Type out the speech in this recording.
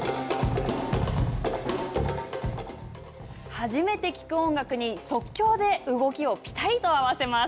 初めて聞く音楽に即興で動きをぴたりと合わせます。